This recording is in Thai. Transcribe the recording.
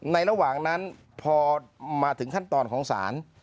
ระหว่างนั้นพอมาถึงขั้นตอนของศาล